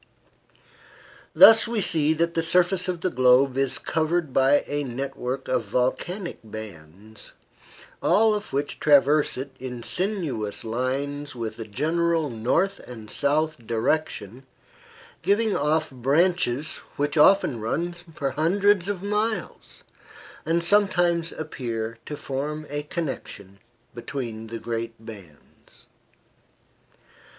Thus we see that the surface of the globe is covered by a network of volcanic bands, all of which traverse it in sinuous lines with a general north and south direction, giving off branches which often run for hundreds of miles, and sometimes appear to form a connection between the great bands.